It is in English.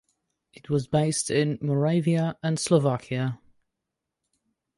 It was based in Moravia and Slovakia.